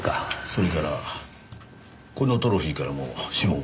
それからこのトロフィーからも指紋は出ています。